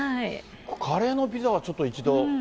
カレーのピザはちょっと一度。